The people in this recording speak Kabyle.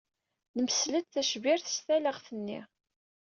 Nemsel-d tacbirt s talaɣt-nni.